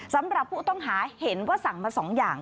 สำหรับผู้ต้องหาเห็นว่าสั่งมา๒อย่าง